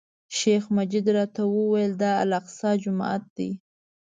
شیخ مجید راته وویل، دا الاقصی جومات دی.